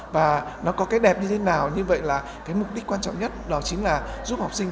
và nó có cái đẹp như thế nào như vậy là cái mục đích quan trọng nhất đó chính là giúp học sinh